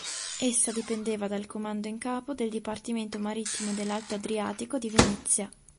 Essa dipendeva dal Comando in capo del dipartimento marittimo dell'Alto Adriatico di Venezia.